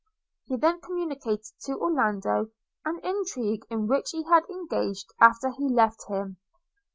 He then communicated to Orlando an intrigue in which he had engaged after he left him.